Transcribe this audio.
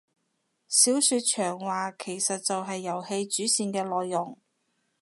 小說長話其實就係遊戲主線嘅內容